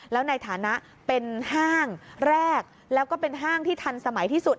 แล้วในฐานะเป็นห้างแรกแล้วก็เป็นห้างที่ทันสมัยที่สุด